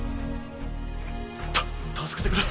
たっ助けてくれ！